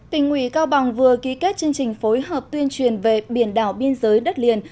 tỉnh ủy cao bằng vừa ký kết chương trình phối hợp tuyên truyền về biển đảo biên giới đất liền